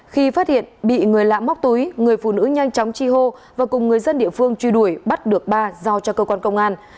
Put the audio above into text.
khi phát hiện bị người lạ móc túi người phụ nữ nhanh chóng chi hô và cùng người dân địa phương truy đuổi bắt được ba giao cho cơ quan công an